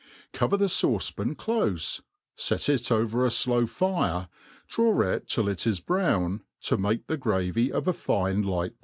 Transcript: Cover the fauce pan clofe, fet it over a flow fire, oiaw it till ic is brown, to make the gravy of a fine light browns MADE PI.